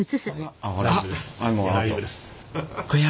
あっ！